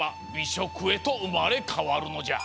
しょくへとうまれかわるのじゃ。